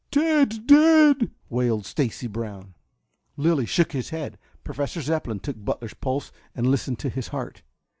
"Tad's dead!" wailed Stacy Brown. Lilly shook his head. Professor Zepplin took Butler's pulse and listened to his heart.